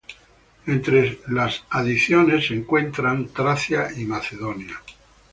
Entre las adiciones se encuentra la Tracia y la Macedonia.